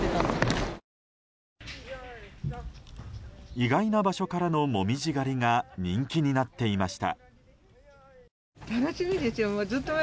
意外な場所からの紅葉狩りが人気になっていました。